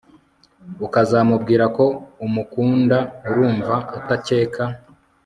ukazamubwira ko umukunda, urumva atakeka